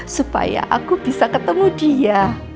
supaya aku bisa ketemu dia